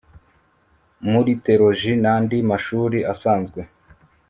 muri thelogy nandi mashuri asanzwe